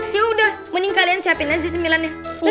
ya udah mending kalian siapin aja cemilannya